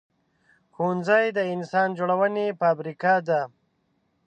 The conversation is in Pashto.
ښوونځی د انسان جوړونې فابریکه ده